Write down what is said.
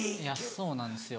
そうなんですよ。